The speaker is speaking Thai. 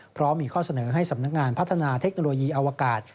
เพราะมีข้อเสนอให้สำนักงานพัฒนาเทคโนโลยีอวกาศ